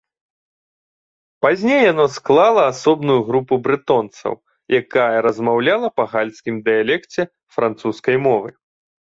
Пазней яно склала асобную групу брэтонцаў, якая размаўляла на гальскім дыялекце французскай мовы.